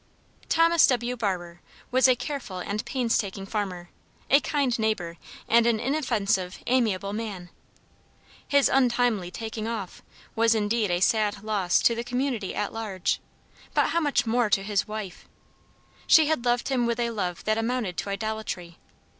Thomas W. Barber was a careful and painstaking farmer, a kind neighbor, and an inoffensive, amiable man. His "untimely taking off" was indeed a sad loss to the community at large, but how much more to his wife! She had loved him with a love that amounted to idolatry.